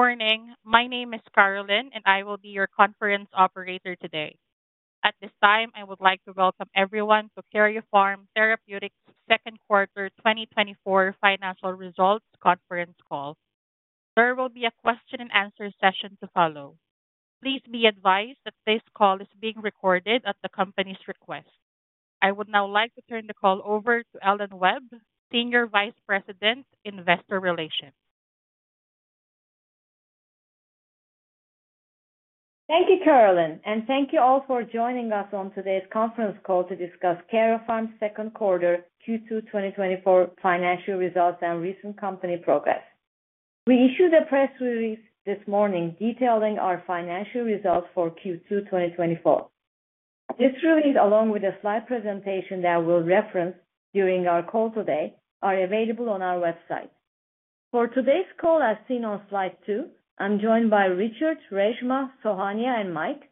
Good morning. My name is Carolyn, and I will be your conference operator today. At this time, I would like to welcome everyone to Karyopharm Therapeutics' second quarter 2024 financial results conference call. There will be a question and answer session to follow. Please be advised that this call is being recorded at the company's request. I would now like to turn the call over to Elhan Webb, Senior Vice President, Investor Relations. Thank you, Carolyn, and thank you all for joining us on today's conference call to discuss Karyopharm's second quarter Q2 2024 financial results and recent company progress. We issued a press release this morning detailing our financial results for Q2 2024. This release, along with a slide presentation that we'll reference during our call today, are available on our website. For today's call, as seen on slide 2, I'm joined by Richard, Reshma, Sohanya, and Mike,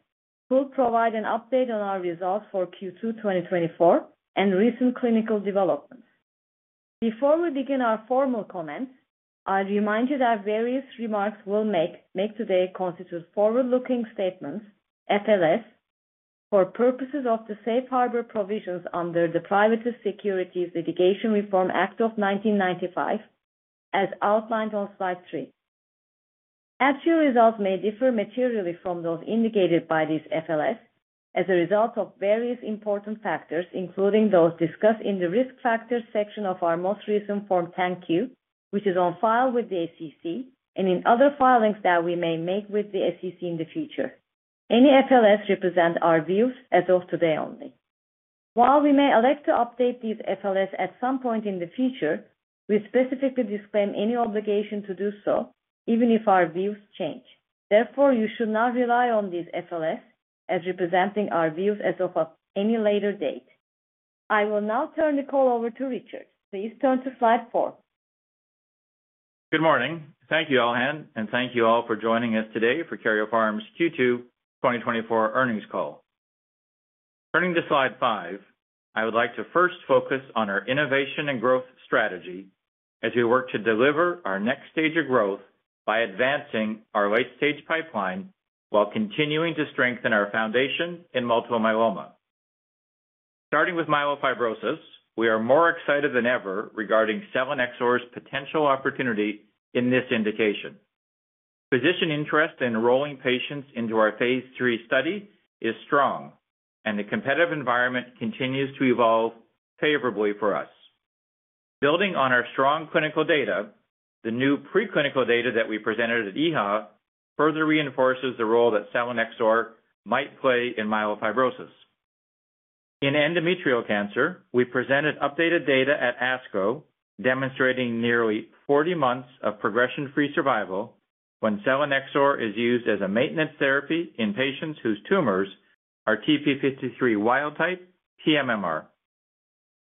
who will provide an update on our results for Q2 2024 and recent clinical developments. Before we begin our formal comments, I'll remind you that various remarks we'll make today constitute forward-looking statements, FLS, for purposes of the Safe Harbor Provisions under the Private Securities Litigation Reform Act of 1995, as outlined on slide 3. Actual results may differ materially from those indicated by this FLS as a result of various important factors, including those discussed in the Risk Factors section of our most recent Form 10-Q, which is on file with the SEC, and in other filings that we may make with the SEC in the future. Any FLS represent our views as of today only. While we may elect to update these FLS at some point in the future, we specifically disclaim any obligation to do so, even if our views change. Therefore, you should not rely on these FLS as representing our views as of any later date. I will now turn the call over to Richard. Please turn to slide four. Good morning. Thank you, Elhan, and thank you all for joining us today for Karyopharm's Q2 2024 earnings call. Turning to slide five, I would like to first focus on our innovation and growth strategy as we work to deliver our next stage of growth by advancing our late-stage pipeline while continuing to strengthen our foundation in multiple myeloma. Starting with myelofibrosis, we are more excited than ever regarding selinexor's potential opportunity in this indication. Physician interest in enrolling patients into our phase three study is strong, and the competitive environment continues to evolve favorably for us. Building on our strong clinical data, the new preclinical data that we presented at EHA further reinforces the role that selinexor might play in myelofibrosis. In endometrial cancer, we presented updated data at ASCO, demonstrating nearly 40 months of progression-free survival when selinexor is used as a maintenance therapy in patients whose tumors are TP53 wild-type dMMR.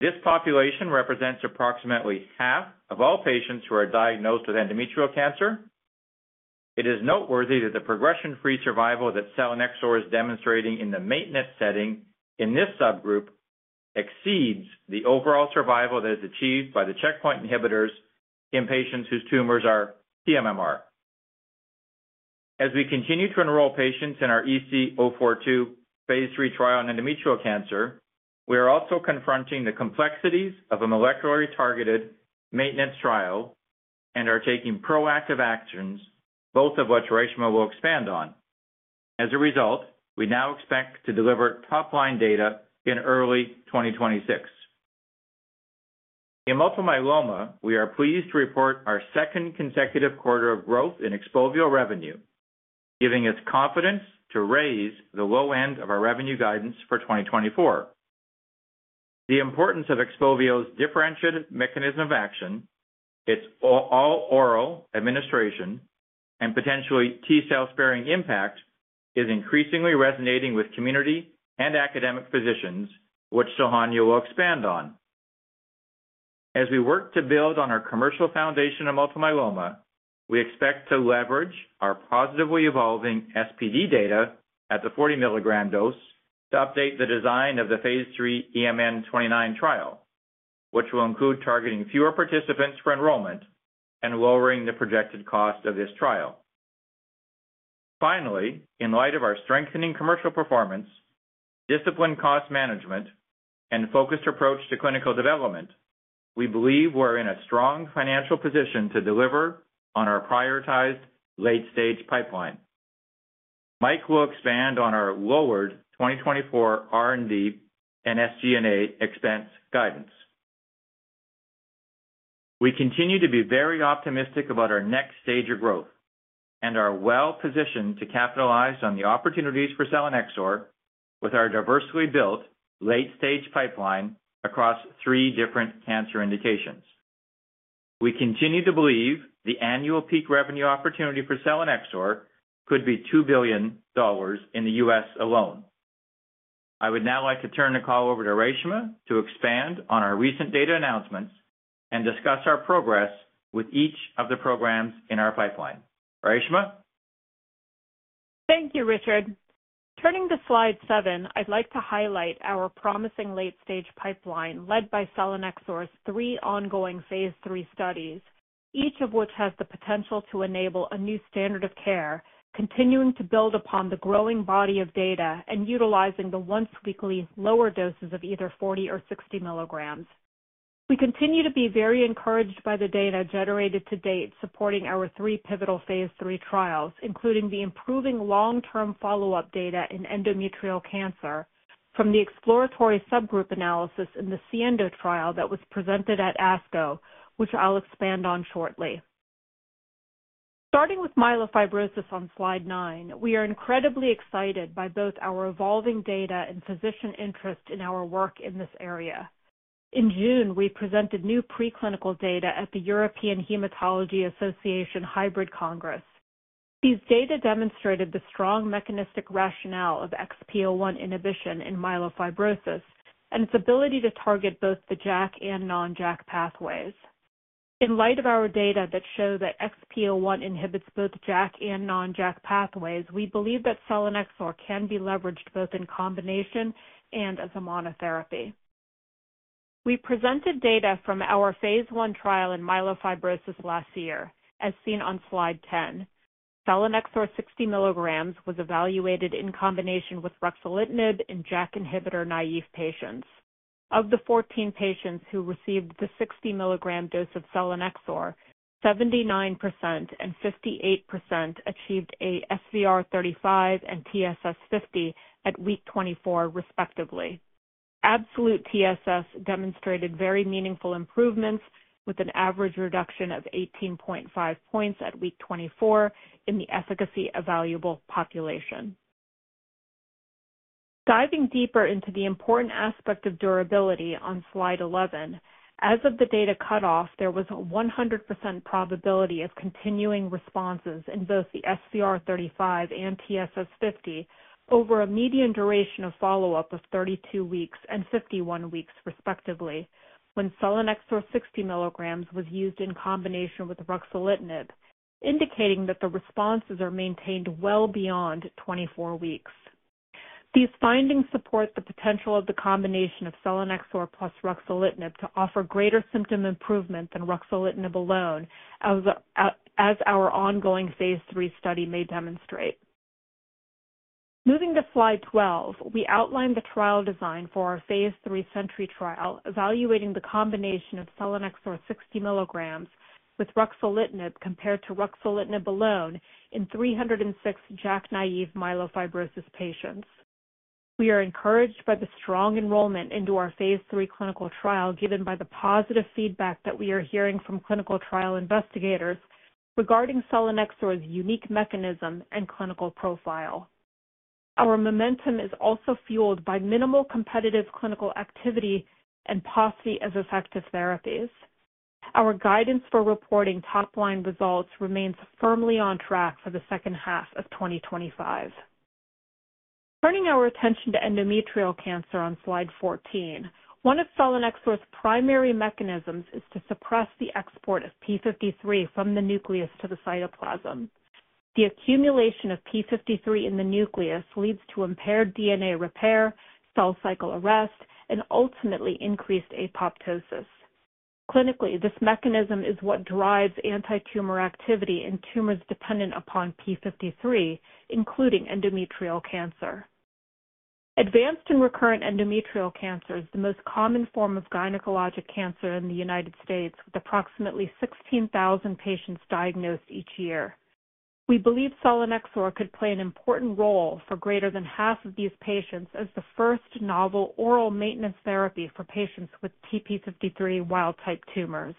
This population represents approximately half of all patients who are diagnosed with endometrial cancer. It is noteworthy that the progression-free survival that selinexor is demonstrating in the maintenance setting in this subgroup exceeds the overall survival that is achieved by the checkpoint inhibitors in patients whose tumors are dMMR. As we continue to enroll patients in our EC042 phase III trial on endometrial cancer, we are also confronting the complexities of a molecularly targeted maintenance trial and are taking proactive actions, both of which Reshma will expand on. As a result, we now expect to deliver top-line data in early 2026. In multiple myeloma, we are pleased to report our second consecutive quarter of growth in XPOVIO revenue, giving us confidence to raise the low end of our revenue guidance for 2024. The importance of XPOVIO's differentiated mechanism of action, its all-oral administration, and potentially T-cell sparing impact, is increasingly resonating with community and academic physicians, which Sohanya will expand on. As we work to build on our commercial foundation in multiple myeloma, we expect to leverage our positively evolving SPD data at the 40-milligram dose to update the design of the phase 3 EMN29 trial, which will include targeting fewer participants for enrollment and lowering the projected cost of this trial. Finally, in light of our strengthening commercial performance, disciplined cost management, and focused approach to clinical development, we believe we're in a strong financial position to deliver on our prioritized late-stage pipeline. Mike will expand on our lowered 2024 R&D and SG&A expense guidance. We continue to be very optimistic about our next stage of growth and are well-positioned to capitalize on the opportunities for selinexor with our diversely built late-stage pipeline across 3 different cancer indications. We continue to believe the annual peak revenue opportunity for selinexor could be $2 billion in the U.S. alone. I would now like to turn the call over to Reshma to expand on our recent data announcements and discuss our progress with each of the programs in our pipeline. Reshma?... Thank you, Richard. Turning to slide 7, I'd like to highlight our promising late-stage pipeline, led by selinexor’s three ongoing phase 3 studies, each of which has the potential to enable a new standard of care, continuing to build upon the growing body of data and utilizing the once-weekly lower doses of either 40 or 60 milligrams. We continue to be very encouraged by the data generated to date, supporting our three pivotal phase 3 trials, including the improving long-term follow-up data in endometrial cancer from the exploratory subgroup analysis in the SIENDO trial that was presented at ASCO, which I'll expand on shortly. Starting with myelofibrosis on slide 9, we are incredibly excited by both our evolving data and physician interest in our work in this area. In June, we presented new preclinical data at the European Hematology Association Hybrid Congress. These data demonstrated the strong mechanistic rationale of XPO1 inhibition in myelofibrosis and its ability to target both the JAK and non-JAK pathways. In light of our data that show that XPO1 inhibits both JAK and non-JAK pathways, we believe that selinexor can be leveraged both in combination and as a monotherapy. We presented data from our phase 1 trial in myelofibrosis last year, as seen on slide 10. Selinexor 60 milligrams was evaluated in combination with ruxolitinib in JAK inhibitor-naive patients. Of the 14 patients who received the 60 milligram dose of selinexor, 79% and 58% achieved a SVR35 and TSS50 at week 24, respectively. Absolute TSS demonstrated very meaningful improvements, with an average reduction of 18.5 points at week 24 in the efficacy-evaluable population. Diving deeper into the important aspect of durability on slide 11, as of the data cutoff, there was a 100% probability of continuing responses in both the SVR35 and TSS50 over a median duration of follow-up of 32 weeks and 51 weeks, respectively, when selinexor 60 milligrams was used in combination with ruxolitinib, indicating that the responses are maintained well beyond 24 weeks. These findings support the potential of the combination of selinexor plus ruxolitinib to offer greater symptom improvement than ruxolitinib alone, as, as our ongoing phase 3 study may demonstrate. Moving to slide 12, we outlined the trial design for our phase 3 SENTRY trial, evaluating the combination of selinexor 60 milligrams with ruxolitinib, compared to ruxolitinib alone in 306 JAK-naive myelofibrosis patients. We are encouraged by the strong enrollment into our phase 3 clinical trial, given by the positive feedback that we are hearing from clinical trial investigators regarding Selinexor's unique mechanism and clinical profile. Our momentum is also fueled by minimal competitive clinical activity and paucity of effective therapies. Our guidance for reporting top-line results remains firmly on track for the second half of 2025. Turning our attention to endometrial cancer on slide 14, one of Selinexor's primary mechanisms is to suppress the export of P53 from the nucleus to the cytoplasm. The accumulation of P53 in the nucleus leads to impaired DNA repair, cell cycle arrest, and ultimately increased apoptosis. Clinically, this mechanism is what drives antitumor activity in tumors dependent upon P53, including endometrial cancer. Advanced and recurrent endometrial cancer is the most common form of gynecologic cancer in the United States, with approximately 16,000 patients diagnosed each year. We believe selinexor could play an important role for greater than half of these patients as the first novel oral maintenance therapy for patients with TP53 wild-type tumors.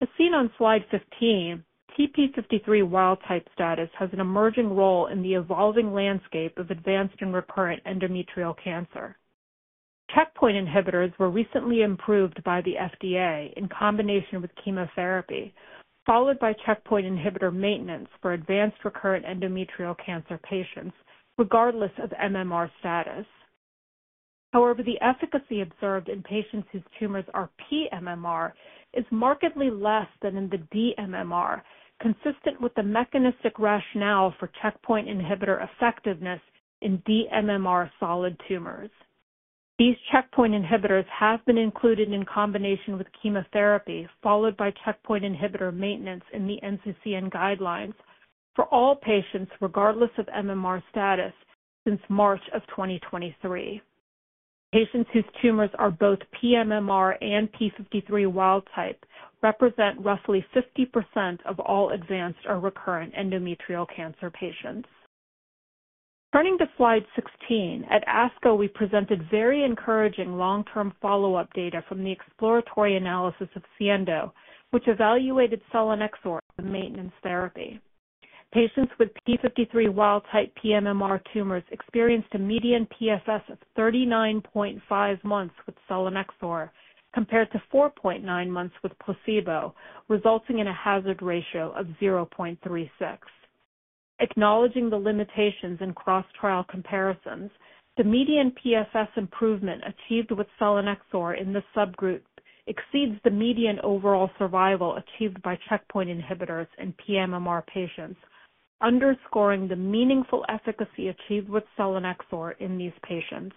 As seen on slide 15, TP53 wild-type status has an emerging role in the evolving landscape of advanced and recurrent endometrial cancer. Checkpoint inhibitors were recently improved by the FDA in combination with chemotherapy, followed by checkpoint inhibitor maintenance for advanced recurrent endometrial cancer patients, regardless of MMR status. However, the efficacy observed in patients whose tumors are pMMR is markedly less than in the dMMR, consistent with the mechanistic rationale for checkpoint inhibitor effectiveness in dMMR solid tumors. These checkpoint inhibitors have been included in combination with chemotherapy, followed by checkpoint inhibitor maintenance in the NCCN guidelines for all patients, regardless of MMR status, since March 2023. Patients whose tumors are both pMMR and TP53 wild-type represent roughly 50% of all advanced or recurrent endometrial cancer patients. Turning to slide 16, at ASCO, we presented very encouraging long-term follow-up data from the exploratory analysis of SIENDO, which evaluated selinexor as a maintenance therapy. Patients with TP53 wild-type pMMR tumors experienced a median PFS of 39.5 months with selinexor, compared to 4.9 months with placebo, resulting in a hazard ratio of 0.36. Acknowledging the limitations in cross-trial comparisons, the median PFS improvement achieved with selinexor in this subgroup exceeds the median overall survival achieved by checkpoint inhibitors in pMMR patients, underscoring the meaningful efficacy achieved with selinexor in these patients.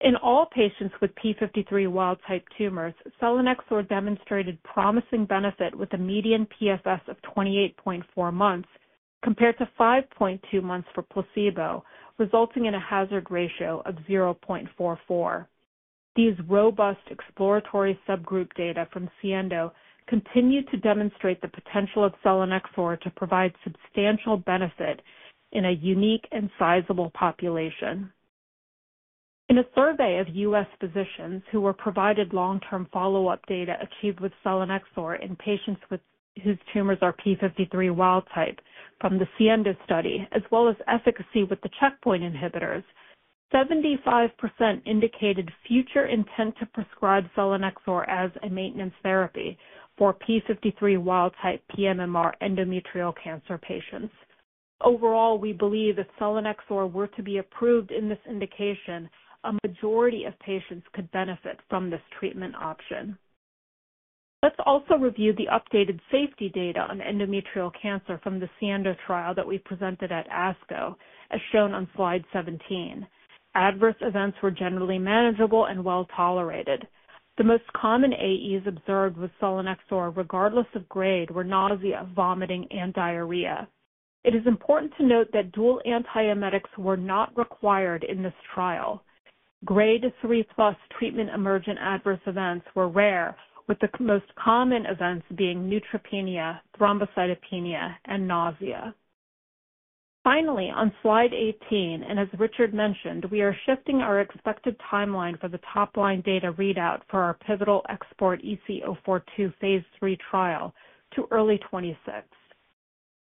In all patients with TP53 wild-type tumors, selinexor demonstrated promising benefit with a median PFS of 28.4 months, compared to 5.2 months for placebo, resulting in a hazard ratio of 0.44. These robust exploratory subgroup data from SIENDO continue to demonstrate the potential of selinexor to provide substantial benefit in a unique and sizable population. In a survey of US physicians who were provided long-term follow-up data achieved with selinexor in patients with, whose tumors are TP53 wild-type from the SIENDO study, as well as efficacy with the checkpoint inhibitors, 75% indicated future intent to prescribe selinexor as a maintenance therapy for TP53 wild-type pMMR endometrial cancer patients. Overall, we believe if selinexor were to be approved in this indication, a majority of patients could benefit from this treatment option. Let's also review the updated safety data on endometrial cancer from the SIENDO trial that we presented at ASCO, as shown on slide 17. Adverse events were generally manageable and well-tolerated. The most common AEs observed with selinexor, regardless of grade, were nausea, vomiting, and diarrhea. It is important to note that dual antiemetics were not required in this trial. Grade 3+ treatment-emergent adverse events were rare, with the most common events being neutropenia, thrombocytopenia, and nausea. Finally, on slide 18, and as Richard mentioned, we are shifting our expected timeline for the top-line data readout for our pivotal XPORT-EC-042 phase III trial to early 2026.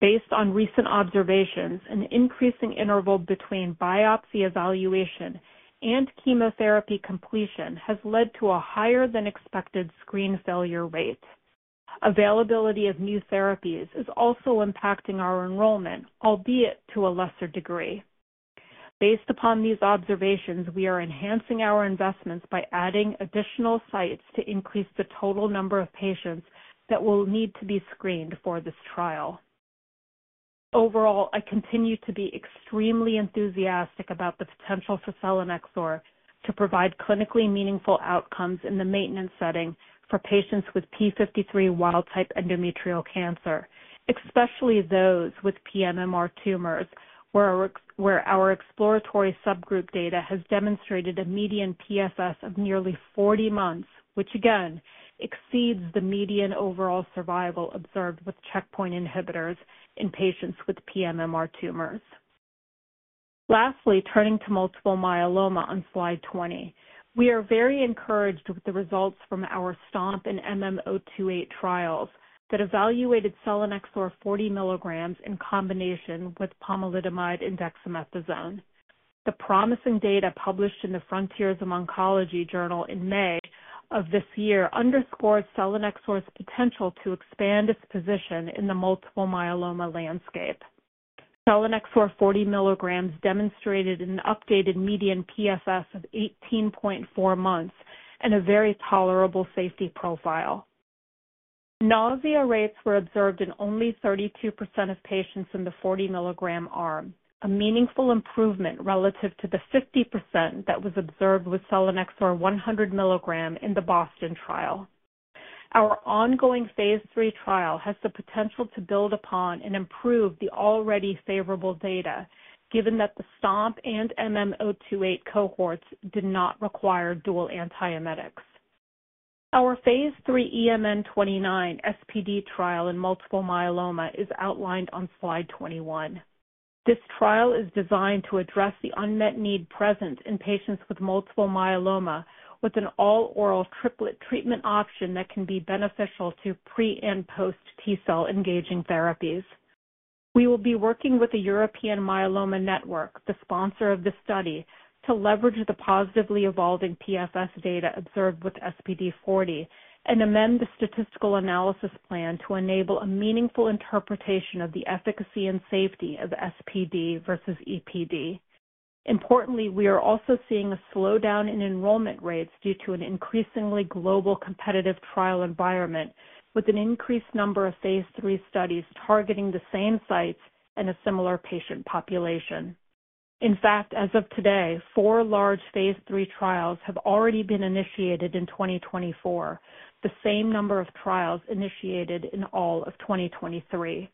Based on recent observations, an increasing interval between biopsy evaluation and chemotherapy completion has led to a higher than expected screen failure rate. Availability of new therapies is also impacting our enrollment, albeit to a lesser degree. Based upon these observations, we are enhancing our investments by adding additional sites to increase the total number of patients that will need to be screened for this trial. Overall, I continue to be extremely enthusiastic about the potential for selinexor to provide clinically meaningful outcomes in the maintenance setting for patients with TP53 wild-type endometrial cancer, especially those with pMMR tumors, where our exploratory subgroup data has demonstrated a median PFS of nearly 40 months, which again, exceeds the median overall survival observed with checkpoint inhibitors in patients with pMMR tumors. Lastly, turning to multiple myeloma on slide 20. We are very encouraged with the results from our STOMP and MM-028 trials that evaluated selinexor 40 milligrams in combination with pomalidomide and dexamethasone. The promising data, published in the Frontiers in Oncology Journal in May of this year, underscores selinexor's potential to expand its position in the multiple myeloma landscape. Selinexor 40 milligrams demonstrated an updated median PFS of 18.4 months and a very tolerable safety profile. Nausea rates were observed in only 32% of patients in the 40-milligram arm, a meaningful improvement relative to the 50% that was observed with selinexor 100 mg in the Boston trial. Our ongoing phase 3 trial has the potential to build upon and improve the already favorable data, given that the STOMP and MM-028 cohorts did not require dual antiemetics. Our phase 3 EMN29 SPD trial in multiple myeloma is outlined on slide 21. This trial is designed to address the unmet need present in patients with multiple myeloma, with an all-oral triplet treatment option that can be beneficial to pre- and post-T cell engaging therapies. We will be working with the European Myeloma Network, the sponsor of this study, to leverage the positively evolving PFS data observed with SPD 40 and amend the statistical analysis plan to enable a meaningful interpretation of the efficacy and safety of SPD versus EPD. Importantly, we are also seeing a slowdown in enrollment rates due to an increasingly global competitive trial environment, with an increased number of Phase III studies targeting the same sites and a similar patient population. In fact, as of today, 4 large Phase III trials have already been initiated in 2024, the same number of trials initiated in all of 2023.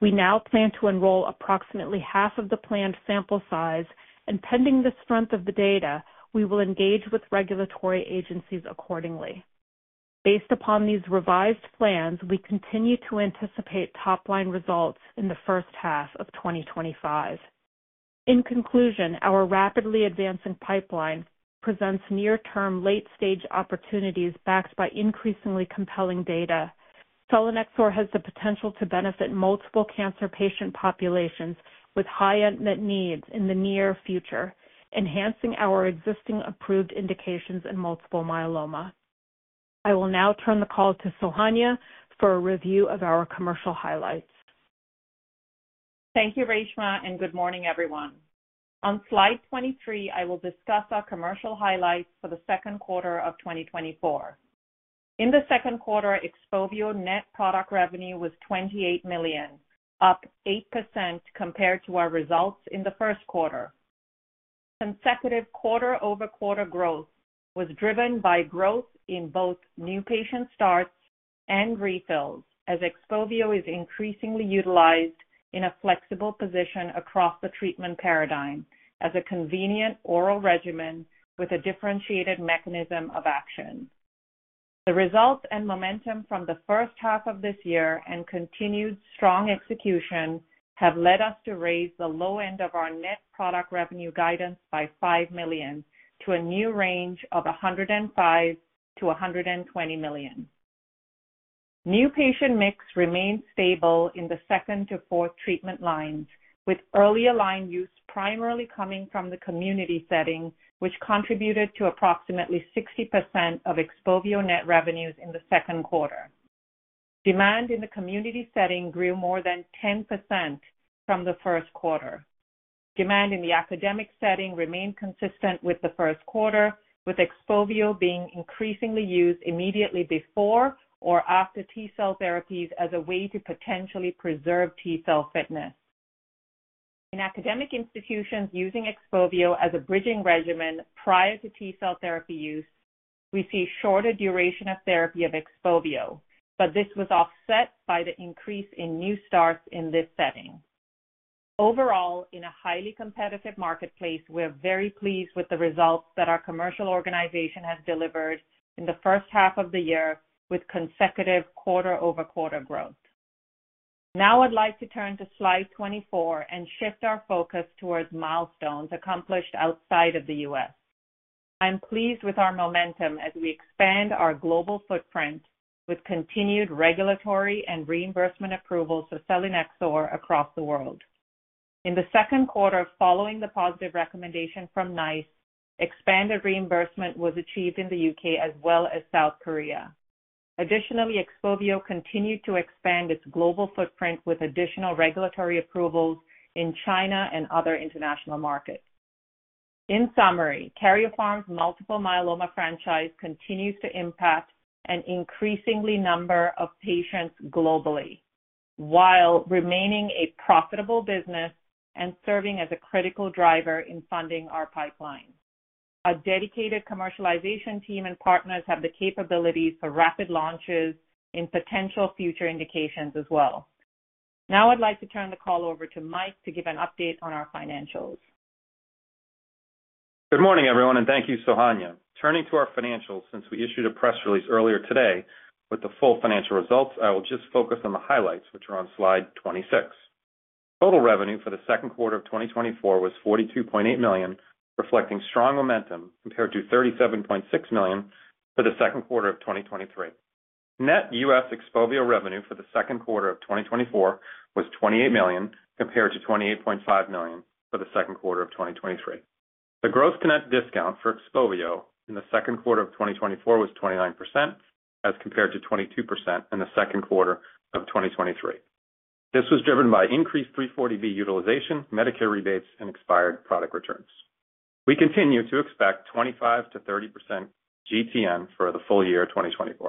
We now plan to enroll approximately half of the planned sample size, and pending the strength of the data, we will engage with regulatory agencies accordingly. Based upon these revised plans, we continue to anticipate top-line results in the first half of 2025. In conclusion, our rapidly advancing pipeline presents near-term, late-stage opportunities backed by increasingly compelling data. Selinexor has the potential to benefit multiple cancer patient populations with high unmet needs in the near future, enhancing our existing approved indications in multiple myeloma. I will now turn the call to Sohanya for a review of our commercial highlights. Thank you, Reshma, and good morning, everyone. On slide 23, I will discuss our commercial highlights for the second quarter of 2024. In the second quarter, XPOVIO net product revenue was $28 million, up 8% compared to our results in the first quarter. Consecutive quarter-over-quarter growth was driven by growth in both new patient starts and refills, as XPOVIO is increasingly utilized in a flexible position across the treatment paradigm as a convenient oral regimen with a differentiated mechanism of action. The results and momentum from the first half of this year and continued strong execution have led us to raise the low end of our net product revenue guidance by $5 million, to a new range of $105 million-$120 million. New patient mix remained stable in the second to fourth treatment lines, with earlier line use primarily coming from the community setting, which contributed to approximately 60% of XPOVIO net revenues in the second quarter. Demand in the community setting grew more than 10% from the first quarter. Demand in the academic setting remained consistent with the first quarter, with XPOVIO being increasingly used immediately before or after T-cell therapies as a way to potentially preserve T-cell fitness. In academic institutions using XPOVIO as a bridging regimen prior to T-cell therapy use, we see shorter duration of therapy of XPOVIO, but this was offset by the increase in new starts in this setting. Overall, in a highly competitive marketplace, we're very pleased with the results that our commercial organization has delivered in the first half of the year with consecutive quarter-over-quarter growth. Now I'd like to turn to slide 24 and shift our focus towards milestones accomplished outside of the US. I'm pleased with our momentum as we expand our global footprint with continued regulatory and reimbursement approvals for selinexor across the world. In the second quarter, following the positive recommendation from NICE, expanded reimbursement was achieved in the U.K. as well as South Korea. Additionally, XPOVIO continued to expand its global footprint with additional regulatory approvals in China and other international markets. In summary, Karyopharm's multiple myeloma franchise continues to impact an increasing number of patients globally, while remaining a profitable business and serving as a critical driver in funding our pipeline. Our dedicated commercialization team and partners have the capabilities for rapid launches in potential future indications as well. Now I'd like to turn the call over to Mike to give an update on our financials. Good morning, everyone, and thank you, Sohanya. Turning to our financials, since we issued a press release earlier today with the full financial results, I will just focus on the highlights, which are on slide 26. Total revenue for the second quarter of 2024 was $42.8 million, reflecting strong momentum compared to $37.6 million for the second quarter of 2023. Net US XPOVIO revenue for the second quarter of 2024 was $28 million, compared to $28.5 million for the second quarter of 2023. The gross net discount for XPOVIO in the second quarter of 2024 was 29%, as compared to 22% in the second quarter of 2023. This was driven by increased 340B utilization, Medicare rebates, and expired product returns. We continue to expect 25%-30% GTN for the full year of 2024.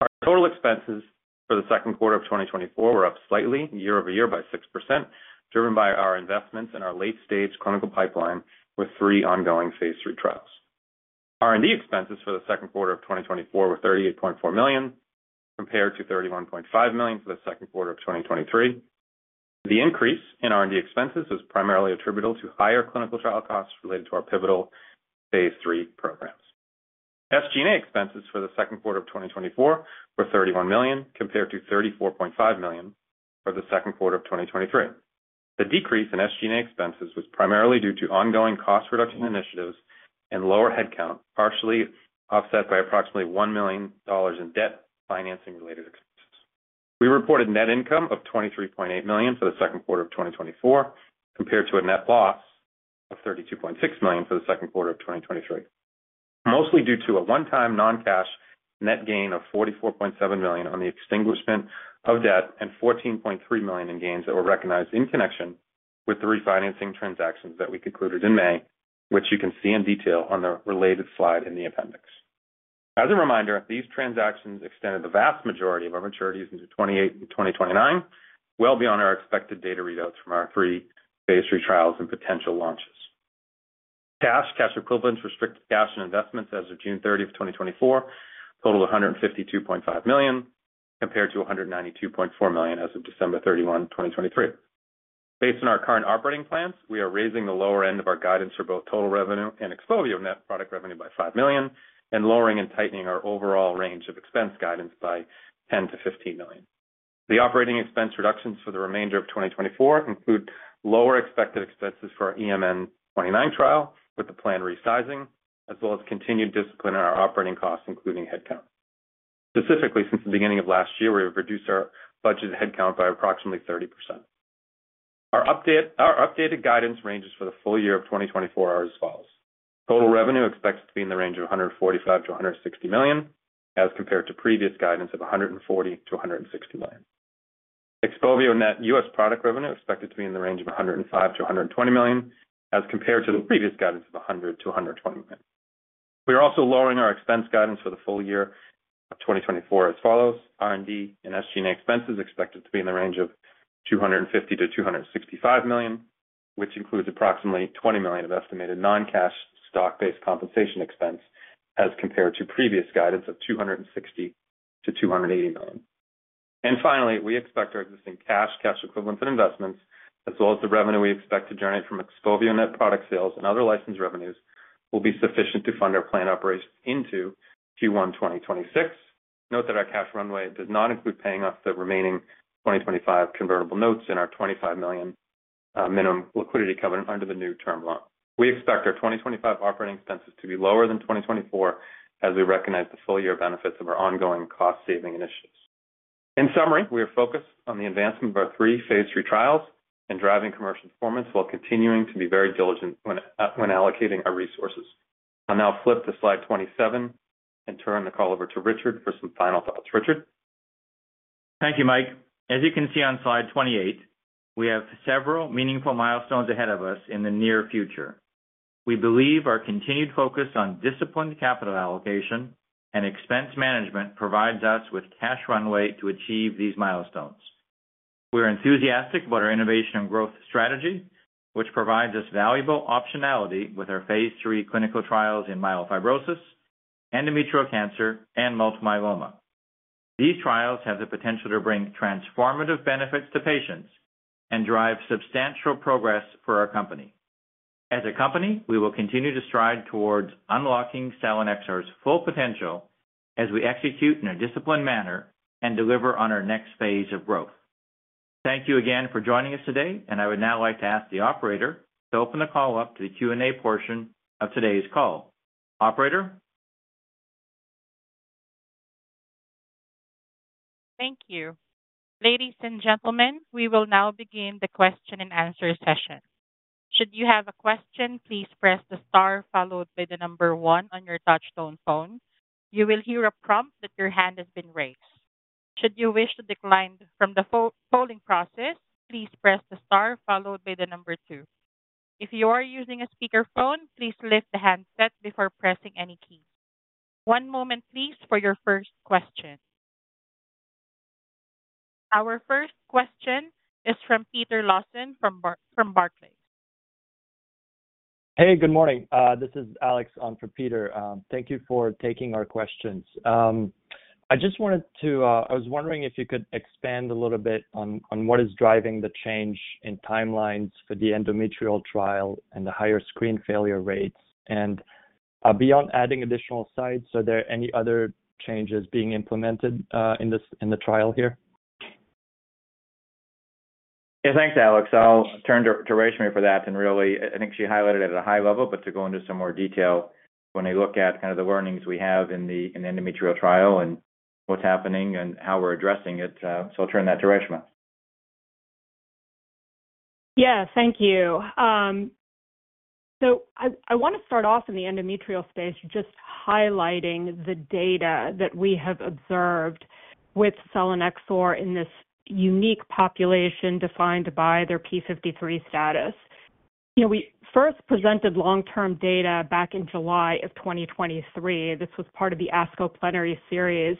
Our total expenses for the second quarter of 2024 were up slightly year-over-year by 6%, driven by our investments in our late-stage clinical pipeline with three ongoing phase III trials. R&D expenses for the second quarter of 2024 were $38.4 million, compared to $31.5 million for the second quarter of 2023. The increase in R&D expenses was primarily attributable to higher clinical trial costs related to our pivotal phase III programs. SG&A expenses for the second quarter of 2024 were $31 million, compared to $34.5 million for the second quarter of 2023. The decrease in SG&A expenses was primarily due to ongoing cost reduction initiatives and lower headcount, partially offset by approximately $1 million in debt financing related expenses. We reported net income of $23.8 million for the second quarter of 2024, compared to a net loss of $32.6 million for the second quarter of 2023, mostly due to a one-time non-cash net gain of $44.7 million on the extinguishment of debt and $14.3 million in gains that were recognized in connection with the refinancing transactions that we concluded in May, which you can see in detail on the related slide in the appendix. As a reminder, these transactions extended the vast majority of our maturities into 2028 and 2029, well beyond our expected data readouts from our three Phase III trials and potential launches. Cash, cash equivalents, restricted cash and investments as of June 30, 2024, total $152.5 million, compared to $192.4 million as of December 31, 2023. Based on our current operating plans, we are raising the lower end of our guidance for both total revenue and XPOVIO net product revenue by $5 million, and lowering and tightening our overall range of expense guidance by $10 million-$15 million. The operating expense reductions for the remainder of 2024 include lower expected expenses for our EMN29 trial, with the planned resizing, as well as continued discipline in our operating costs, including headcount. Specifically, since the beginning of last year, we have reduced our budgeted headcount by approximately 30%. Our update, our updated guidance ranges for the full year of 2024 are as follows: Total revenue expects to be in the range of $145 million-$160 million, as compared to previous guidance of $140 million-$160 million. XPOVIO net U.S. product revenue expected to be in the range of $105 million-$120 million, as compared to the previous guidance of $100 million-$120 million. We are also lowering our expense guidance for the full year of 2024 as follows: R&D and SG&A expenses expected to be in the range of $250 million-$265 million, which includes approximately $20 million of estimated non-cash stock-based compensation expense, as compared to previous guidance of $260 million-$280 million. And finally, we expect our existing cash, cash equivalents, and investments, as well as the revenue we expect to generate from XPOVIO net product sales and other licensed revenues, will be sufficient to fund our planned operations into Q1 2026. Note that our cash runway does not include paying off the remaining 2025 convertible notes or our $25 million minimum liquidity covenant under the new term loan. We expect our 2025 operating expenses to be lower than 2024, as we recognize the full year benefits of our ongoing cost-saving initiatives. In summary, we are focused on the advancement of our three phase III trials and driving commercial performance, while continuing to be very diligent when, when allocating our resources. I'll now flip to slide 27 and turn the call over to Richard for some final thoughts. Richard? Thank you, Mike. As you can see on slide 28, we have several meaningful milestones ahead of us in the near future. We believe our continued focus on disciplined capital allocation and expense management provides us with cash runway to achieve these milestones. We're enthusiastic about our innovation and growth strategy, which provides us valuable optionality with our phase III clinical trials in myelofibrosis, endometrial cancer, and multiple myeloma. These trials have the potential to bring transformative benefits to patients and drive substantial progress for our company. As a company, we will continue to strive towards unlocking Selinexor's full potential as we execute in a disciplined manner and deliver on our next phase of growth. Thank you again for joining us today, and I would now like to ask the operator to open the call up to the Q&A portion of today's call. Operator? Thank you. Ladies and gentlemen, we will now begin the question-and-answer session. Should you have a question, please press the star followed by the number one on your touchtone phone. You will hear a prompt that your hand has been raised. Should you wish to decline from the polling process, please press the star followed by the number two. If you are using a speakerphone, please lift the handset before pressing any keys. One moment please for your first question. Our first question is from Peter Lawson from Barclays. Hey, good morning. This is Alex on for Peter. Thank you for taking our questions. I just wanted to. I was wondering if you could expand a little bit on what is driving the change in timelines for the endometrial trial and the higher screen failure rates. And, beyond adding additional sites, are there any other changes being implemented in this trial here? Yeah, thanks, Alex. I'll turn to Reshma for that. And really, I think she highlighted it at a high level, but to go into some more detail, when I look at kind of the learnings we have in the endometrial trial and what's happening and how we're addressing it, so I'll turn that to Reshma. Yeah. Thank you. So I wanna start off in the endometrial space, just highlighting the data that we have observed with selinexor in this unique population defined by their P53 status. You know, we first presented long-term data back in July of 2023. This was part of the ASCO Plenary Series.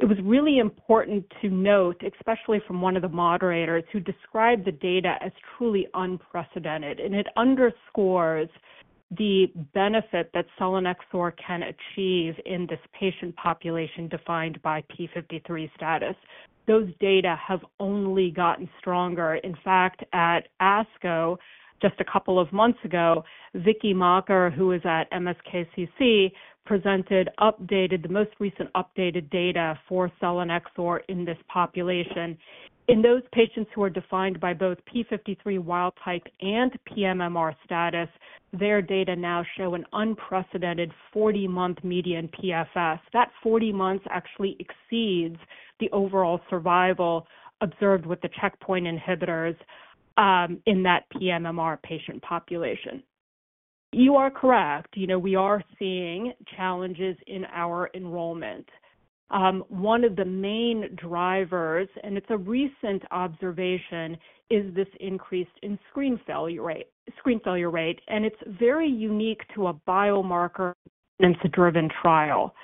It was really important to note, especially from one of the moderators, who described the data as truly unprecedented, and it underscores the benefit that selinexor can achieve in this patient population defined by P53 status. Those data have only gotten stronger. In fact, at ASCO, just a couple of months ago, Vicky Makker, who is at MSKCC, presented the most recent updated data for selinexor in this population. In those patients who are defined by both P53 wild type and PMMR status, their data now show an unprecedented 40-month median PFS. That 40 months actually exceeds the overall survival observed with the checkpoint inhibitors in that pMMR patient population. You are correct. You know, we are seeing challenges in our enrollment. One of the main drivers, and it's a recent observation, is this increase in screen failure rate, screen failure rate, and it's very unique to a biomarker and it's a driven trial.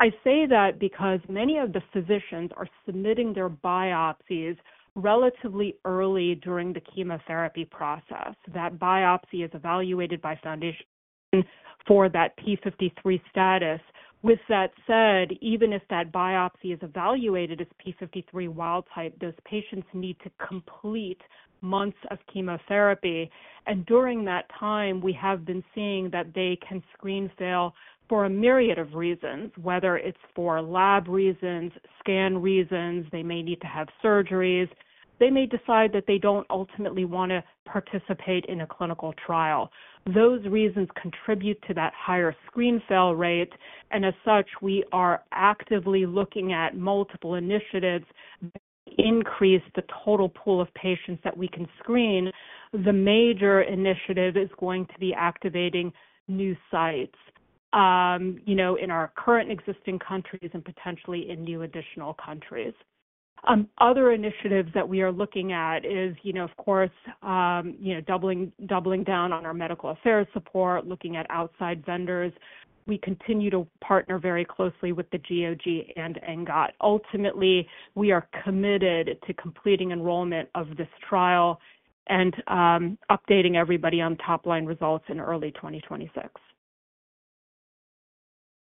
I say that because many of the physicians are submitting their biopsies relatively early during the chemotherapy process. That biopsy is evaluated by Foundation Medicine for that TP53 status. With that said, even if that biopsy is evaluated as TP53 wild type, those patients need to complete months of chemotherapy, and during that time, we have been seeing that they can screen fail for a myriad of reasons, whether it's for lab reasons, scan reasons, they may need to have surgeries. They may decide that they don't ultimately wanna participate in a clinical trial. Those reasons contribute to that higher screen fail rate, and as such, we are actively looking at multiple initiatives to increase the total pool of patients that we can screen. The major initiative is going to be activating new sites, you know, in our current existing countries and potentially in new additional countries. Other initiatives that we are looking at is, you know, of course, you know, doubling down on our medical affairs support, looking at outside vendors. We continue to partner very closely with the GOG and ENGOT. Ultimately, we are committed to completing enrollment of this trial and updating everybody on top-line results in early 2026.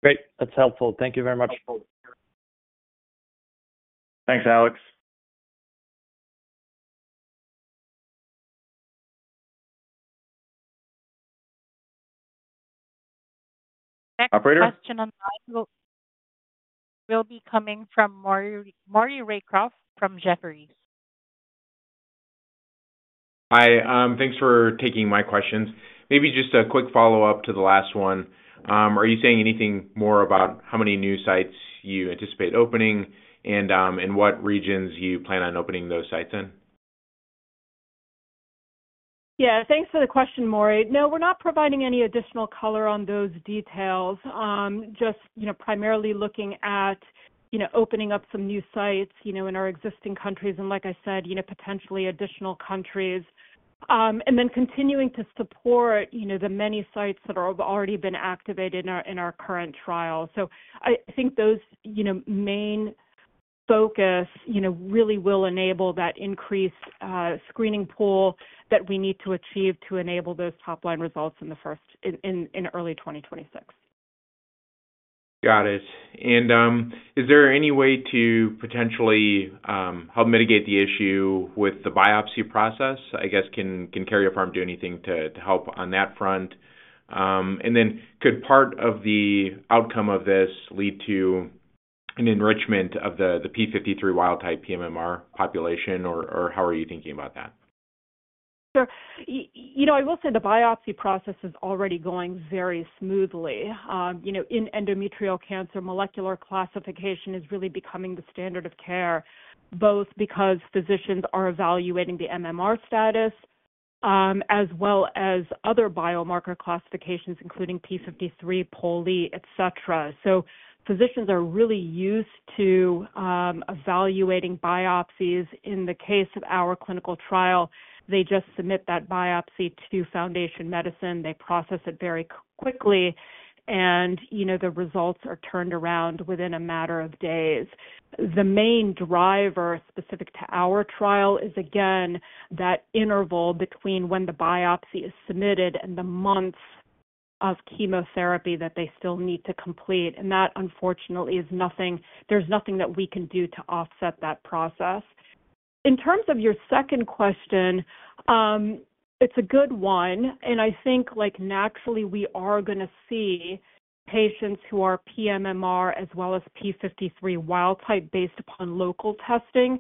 Great. That's helpful. Thank you very much. Thanks, Alex. Operator? Next question on the line will be coming from Maury Raycroft from Jefferies. Hi, thanks for taking my questions. Maybe just a quick follow-up to the last one. Are you saying anything more about how many new sites you anticipate opening and, in what regions you plan on opening those sites in? Yeah, thanks for the question, Maury. No, we're not providing any additional color on those details. Just, you know, primarily looking at, you know, opening up some new sites, you know, in our existing countries, and like I said, you know, potentially additional countries. And then continuing to support, you know, the many sites that have already been activated in our, in our current trial. So I think those, you know, main focus, you know, really will enable that increased screening pool that we need to achieve to enable those top-line results in the first, in early 2026. Got it. And, is there any way to potentially help mitigate the issue with the biopsy process? I guess, can Karyopharm do anything to help on that front? And then could part of the outcome of this lead to an enrichment of the TP53 wild-type pMMR population, or how are you thinking about that? Sure. You know, I will say the biopsy process is already going very smoothly. You know, in endometrial cancer, molecular classification is really becoming the standard of care, both because physicians are evaluating the MMR status, as well as other biomarker classifications, including p53, et cetera. So physicians are really used to evaluating biopsies. In the case of our clinical trial, they just submit that biopsy to Foundation Medicine. They process it very quickly, and, you know, the results are turned around within a matter of days. The main driver specific to our trial is, again, that interval between when the biopsy is submitted and the months of chemotherapy that they still need to complete, and that, unfortunately, is nothing, there's nothing that we can do to offset that process. In terms of your second question, it's a good one, and I think, like, naturally, we are going to see patients who are pMMR as well as TP53 wild-type based upon local testing,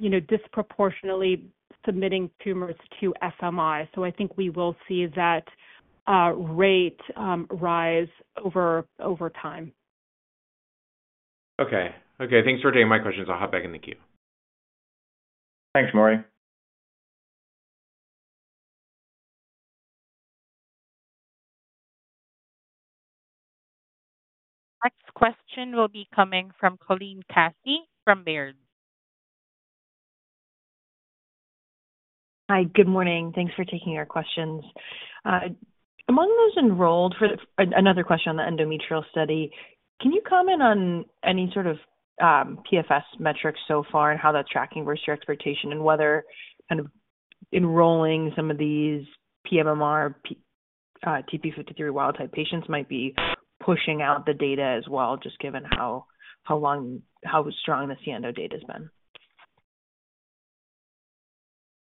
you know, disproportionately submitting tumors to FMI. So I think we will see that rate rise over time. Okay. Okay, thanks for taking my questions. I'll hop back in the queue. Thanks, Maury. Next question will be coming from Colleen Kusy from Baird. Hi, good morning. Thanks for taking our questions. Among those enrolled, for another question on the endometrial study, can you comment on any sort of PFS metrics so far and how that's tracking versus your expectation and whether kind of enrolling some of these pMMR TP53 wild-type patients might be pushing out the data as well, just given how long, how strong the SIENDO data has been?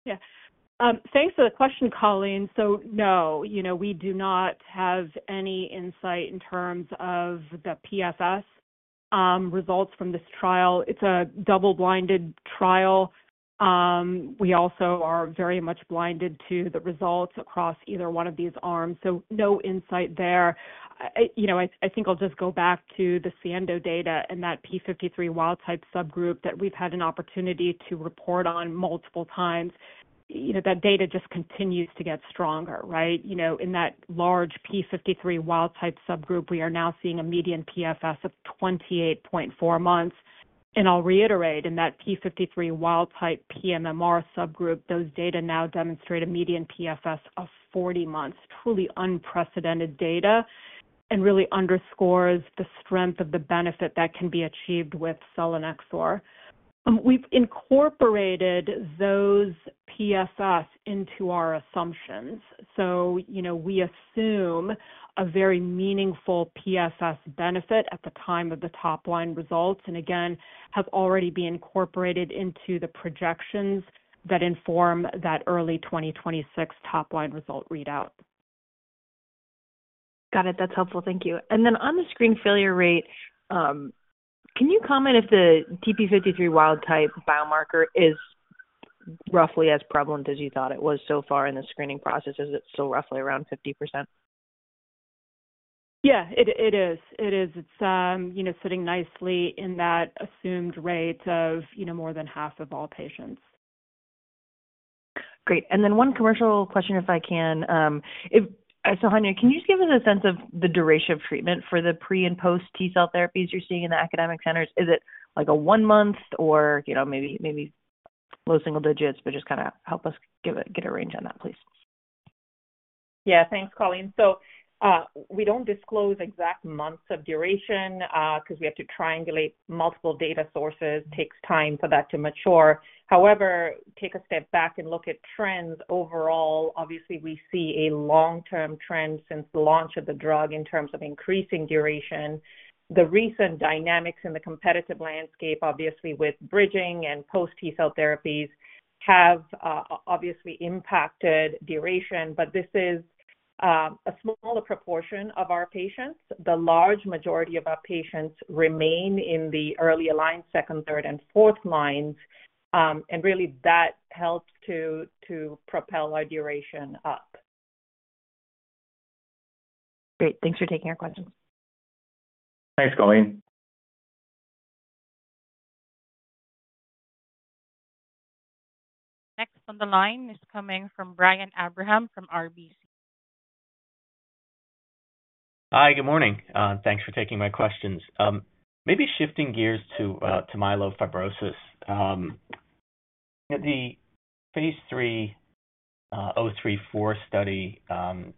Yeah. Thanks for the question, Colleen. So, no, you know, we do not have any insight in terms of the PFS results from this trial. It's a double-blinded trial. We also are very much blinded to the results across either one of these arms, so no insight there. You know, I think I'll just go back to the SIENDO data and that TP53 wild-type subgroup that we've had an opportunity to report on multiple times. You know, that data just continues to get stronger, right? You know, in that large TP53 wild-type subgroup, we are now seeing a median PFS of 28.4 months. And I'll reiterate, in that TP53 wild-type pMMR subgroup, those data now demonstrate a median PFS of 40 months. Truly unprecedented data and really underscores the strength of the benefit that can be achieved with selinexor. We've incorporated those PFS into our assumptions. So, you know, we assume a very meaningful PFS benefit at the time of the top-line results, and again, have already been incorporated into the projections that inform that early 2026 top line result readout. Got it. That's helpful. Thank you. And then on the screen failure rate, can you comment if the TP53 wild-type biomarker is roughly as prevalent as you thought it was so far in the screening process? Is it still roughly around 50%? Yeah, it, it is. It is. It's, you know, sitting nicely in that assumed rate of, you know, more than half of all patients.... Great. And then one commercial question, if I can. If so, Sohanya, can you just give us a sense of the duration of treatment for the pre- and post-T-cell therapies you're seeing in the academic centers? Is it like one month or, you know, maybe low single digits, but just kinda help us get a range on that, please. Yeah, thanks, Colleen. So, we don't disclose exact months of duration, 'cause we have to triangulate multiple data sources. Takes time for that to mature. However, take a step back and look at trends overall, obviously, we see a long-term trend since the launch of the drug in terms of increasing duration. The recent dynamics in the competitive landscape, obviously with bridging and post-T-cell therapies, have obviously impacted duration, but this is a smaller proportion of our patients. The large majority of our patients remain in the early line, second, third, and fourth lines. And really, that helps to propel our duration up. Great. Thanks for taking our questions. Thanks, Colleen. Next on the line is coming from Brian Abrahams from RBC. Hi, good morning. Thanks for taking my questions. Maybe shifting gears to myelofibrosis. The phase 3 034 study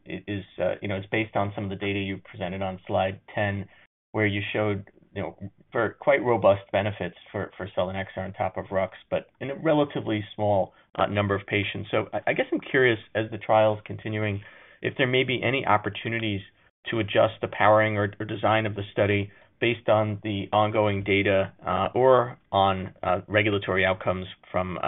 is, you know, it's based on some of the data you presented on slide 10, where you showed, you know, for quite robust benefits for selinexor on top of rux, but in a relatively small number of patients. So I guess I'm curious, as the trial is continuing, if there may be any opportunities to adjust the powering or design of the study based on the ongoing data or on regulatory outcomes from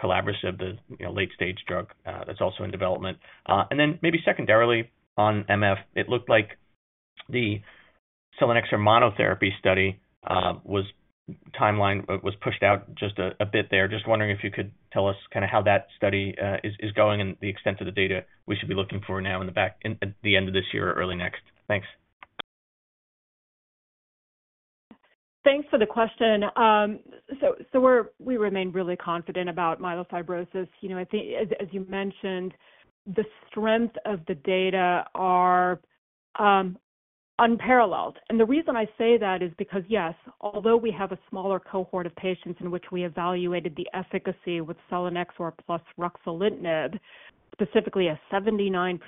pelabresib, the late stage drug that's also in development. And then maybe secondarily on MF, it looked like the selinexor monotherapy study was pushed out just a bit there. Just wondering if you could tell us kinda how that study is going and the extent of the data we should be looking for now in the back at the end of this year or early next? Thanks. Thanks for the question. So, so we're, we remain really confident about myelofibrosis. You know, I think as you mentioned, the strength of the data are unparalleled. And the reason I say that is because, yes, although we have a smaller cohort of patients in which we evaluated the efficacy with selinexor plus ruxolitinib, specifically a 79%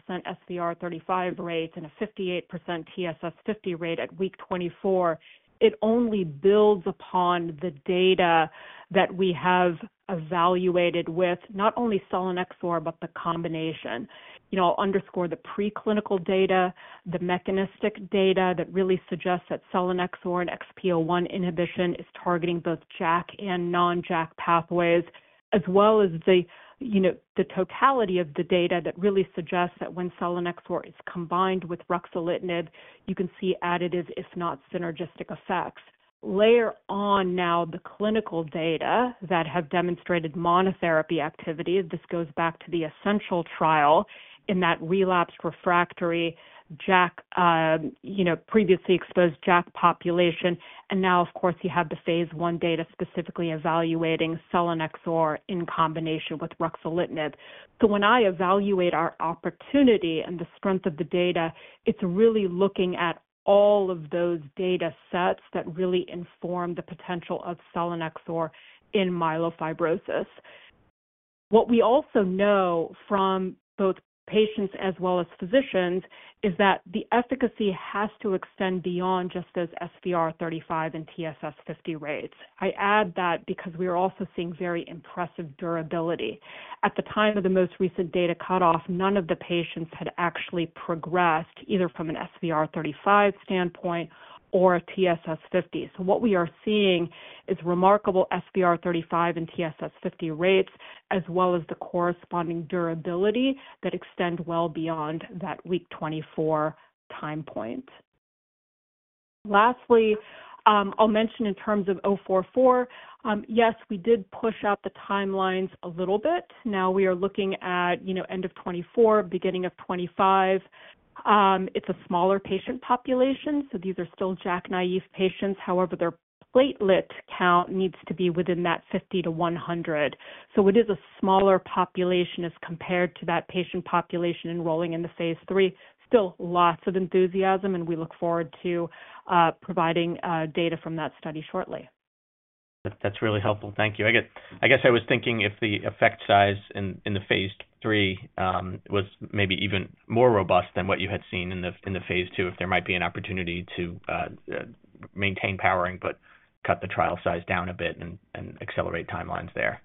SVR35 rate and a 58% TSS50 rate at week 24, it only builds upon the data that we have evaluated with not only selinexor, but the combination. You know, I'll underscore the preclinical data, the mechanistic data that really suggests that selinexor and XPO1 inhibition is targeting both JAK and non-JAK pathways, as well as the, you know, the totality of the data that really suggests that when selinexor is combined with ruxolitinib, you can see additives, if not synergistic effects. Layer on now the clinical data that have demonstrated monotherapy activity. This goes back to the initial trial in that relapsed refractory JAK, you know, previously exposed JAK population, and now of course, you have the phase 1 data specifically evaluating selinexor in combination with ruxolitinib. So when I evaluate our opportunity and the strength of the data, it's really looking at all of those data sets that really inform the potential of selinexor in myelofibrosis. What we also know from both patients as well as physicians, is that the efficacy has to extend beyond just those SVR 35 and TSS 50 rates. I add that because we are also seeing very impressive durability. At the time of the most recent data cutoff, none of the patients had actually progressed, either from an SVR 35 standpoint or a TSS 50. So what we are seeing is remarkable SVR 35 and TSS 50 rates, as well as the corresponding durability that extend well beyond that week 24 time point. Lastly, I'll mention in terms of 044, yes, we did push out the timelines a little bit. Now we are looking at, you know, end of 2024, beginning of 2025. It's a smaller patient population, so these are still JAK-naïve patients. However, their platelet count needs to be within that 50 to 100. So it is a smaller population as compared to that patient population enrolling in the phase 3. Still, lots of enthusiasm, and we look forward to providing data from that study shortly. That's really helpful. Thank you. I guess I was thinking if the effect size in the phase 3 was maybe even more robust than what you had seen in the phase 2, if there might be an opportunity to maintain powering, but cut the trial size down a bit and accelerate timelines there.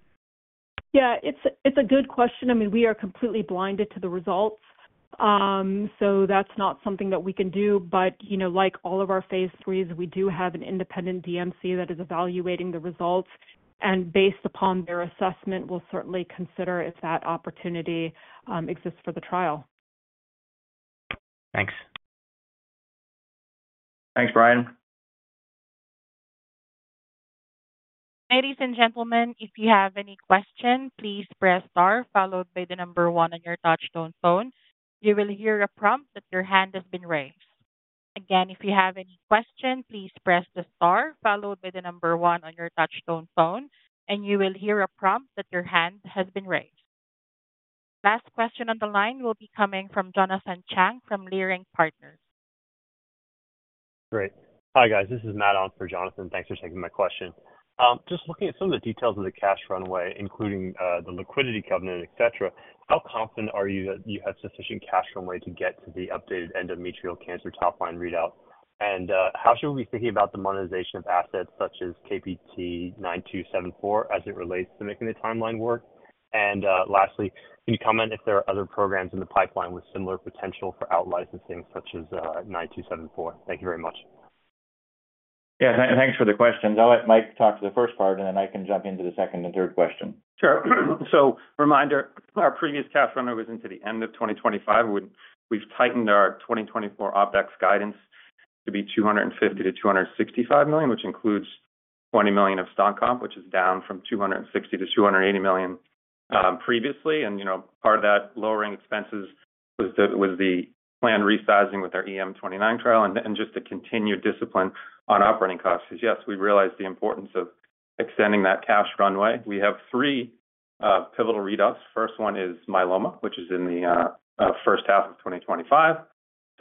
Yeah, it's a good question. I mean, we are completely blinded to the results, so that's not something that we can do. But, you know, like all of our phase 3s, we do have an independent DMC that is evaluating the results, and based upon their assessment, we'll certainly consider if that opportunity exists for the trial. Thanks. Thanks, Brian. Ladies and gentlemen, if you have any questions, please press star followed by the number 1 on your touchtone phone. You will hear a prompt that your hand has been raised. Again, if you have any question, please press the star followed by the number 1 on your touchtone phone, and you will hear a prompt that your hand has been raised. Last question on the line will be coming from Jonathan Chang from Leerink Partners. Great. Hi, guys. This is Matt on for Jonathan. Thanks for taking my question. Just looking at some of the details of the cash runway, including, the liquidity covenant, et cetera, how confident are you that you have sufficient cash runway to get to the updated endometrial cancer top line readout? And, how should we be thinking about the monetization of assets such as KPT-9274, as it relates to making the timeline work? And, lastly, can you comment if there are other programs in the pipeline with similar potential for out-licensing, such as, 9274? Thank you very much. Yeah, thanks for the questions. I'll let Mike talk to the first part, and then I can jump into the second and third question. Sure. So reminder, our previous cash runway was into the end of 2025, when we've tightened our 2024 OpEx guidance to be $250 million-$265 million, which includes $20 million of stock comp, which is down from $260 million-$280 million, previously. And, you know, part of that lowering expenses was the plan resizing with our EM-29 trial and just the continued discipline on operating costs. So yes, we realized the importance of extending that cash runway. We have three pivotal readouts. First one is myeloma, which is in the first half of 2025.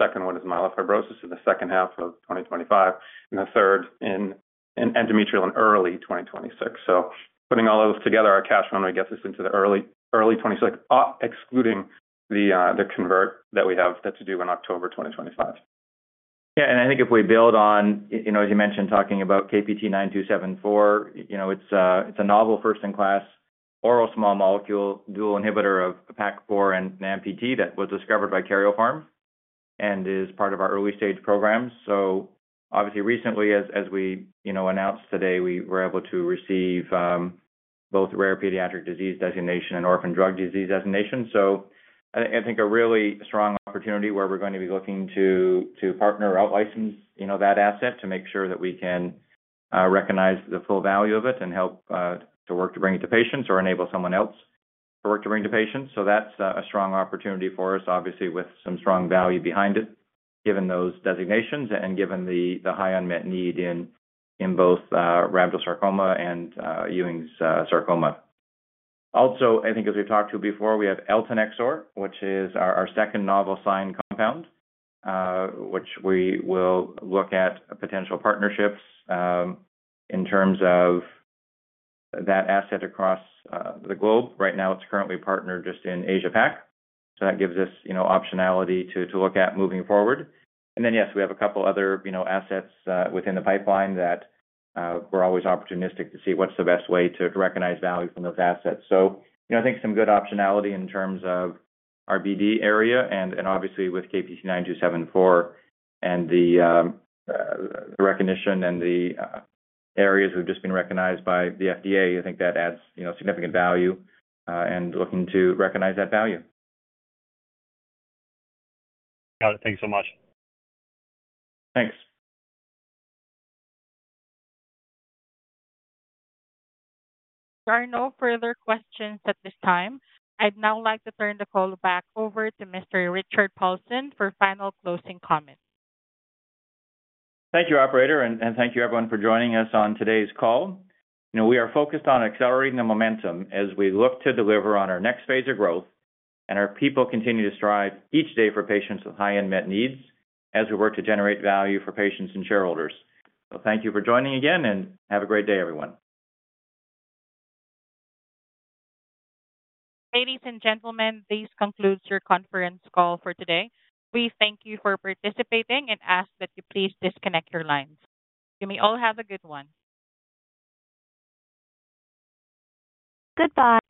Second one is myelofibrosis in the second half of 2025, and the third in endometrial in early 2026. So putting all those together, our cash runway gets us into the early, early 2026, excluding the convert that we have that's due in October 2025. Yeah, and I think if we build on, you know, as you mentioned, talking about KPT-9274, you know, it's a, it's a novel first-in-class oral small molecule, dual inhibitor of PAK4 and NAMPT that was discovered by Karyopharm and is part of our early stage program. So obviously recently, as we, you know, announced today, we were able to receive both rare pediatric disease designation and orphan drug disease designation. So I think a really strong opportunity where we're going to be looking to partner or out-license, you know, that asset to make sure that we can recognize the full value of it and help to work to bring it to patients or enable someone else to work to bring to patients. So that's a strong opportunity for us, obviously, with some strong value behind it, given those designations and given the high unmet need in both rhabdomyosarcoma and Ewing's sarcoma. Also, I think as we've talked to before, we have eltanexor, which is our second novel SINE compound, which we will look at potential partnerships in terms of that asset across the globe. Right now, it's currently partnered just in Asia-Pac, so that gives us, you know, optionality to look at moving forward. And then, yes, we have a couple other, you know, assets within the pipeline that we're always opportunistic to see what's the best way to recognize value from those assets. So, you know, I think some good optionality in terms of our BD area and obviously with KPT-9274 and the recognition and the areas we've just been recognized by the FDA. I think that adds, you know, significant value and looking to recognize that value. Got it. Thanks so much. Thanks. There are no further questions at this time. I'd now like to turn the call back over to Mr. Richard Paulson for final closing comments. Thank you, operator, and thank you, everyone, for joining us on today's call. You know, we are focused on accelerating the momentum as we look to deliver on our next phase of growth, and our people continue to strive each day for patients with high unmet needs as we work to generate value for patients and shareholders. So thank you for joining again, and have a great day, everyone. Ladies and gentlemen, this concludes your conference call for today. We thank you for participating and ask that you please disconnect your lines. You may all have a good one. Goodbye.